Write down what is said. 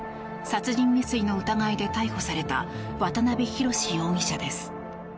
殺人未遂の疑いで逮捕された渡邊宏容疑者です。